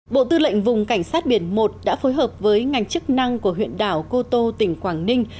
bộ tư lệnh vùng cảnh sát biển một đã phối hợp với ngành chức năng của huyện đảo cô tô tỉnh quảng ninh